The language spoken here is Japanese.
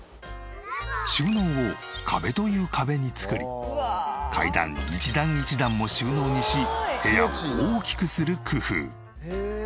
収納を壁という壁に作り階段一段一段も収納にし部屋を大きくする工夫。